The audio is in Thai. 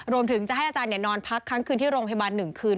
รวมถึงจะให้อาจารย์นอนพักครั้งคืนที่โรงพยาบาล๑คืน